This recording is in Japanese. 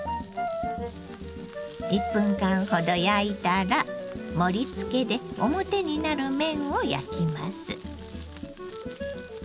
１分間ほど焼いたら盛りつけで表になる面を焼きます。